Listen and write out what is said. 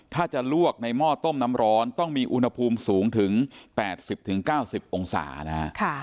ถ้าจะลวกในหม้อต้มน้ำร้อนต้องมีอุณหภูมิสูงถึง๘๐๙๐องศานะฮะ